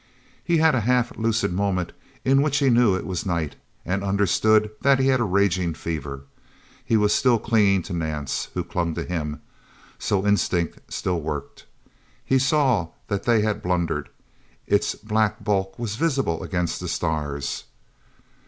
He had a half lucid moment in which he knew it was night, and understood that he had a raging fever. He was still clinging to Nance, who clung to him. So instinct still worked. He saw that they had blundered its black bulk was visible against the stars.